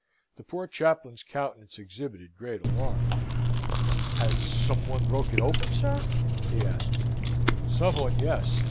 The poor chaplain's countenance exhibited great alarm. "Has some one broke it open, sir?" he asks. "Some one, yes.